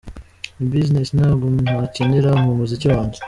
Ni business ntabwo nakinira mu muziki wanjye.